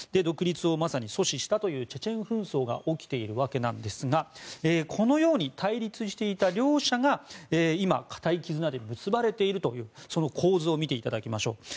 独立を阻止したというチェチェン紛争が起きているわけですがこのように対立していた両者が今、固い絆で結ばれているという構図を見ていただきましょう。